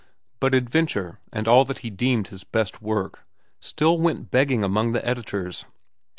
But "Adventure," and all that he deemed his best work, still went begging among the editors.